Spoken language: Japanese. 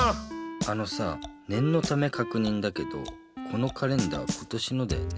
あのさねんのためかくにんだけどこのカレンダー今年のだよね？